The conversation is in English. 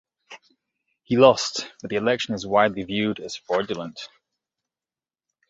He lost, but the election is widely viewed as fraudulent.